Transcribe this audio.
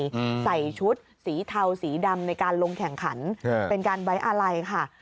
อืมใส่ชุดสีเทาสีดำในการลงแข่งขันเออเป็นการไว้อาลัยค่ะ